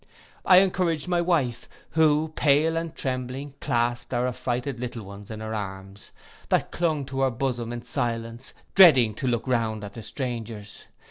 I encouraged my wife, who, pale and trembling, clasped our affrighted little ones in her arms, that clung to her bosom in silence, dreading to look round at the strangers.